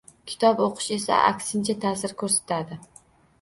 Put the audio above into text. Kitob o‘qish esa aksincha ta’sir ko‘rsatadi.